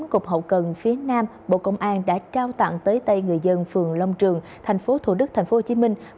cục hậu cần phía nam bộ công an đã trao tặng tới tây người dân phường long trường tp thủ đức tp hcm